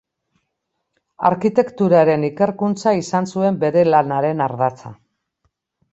Arkitekturaren ikerkuntza izan zuen bere lanaren ardatza.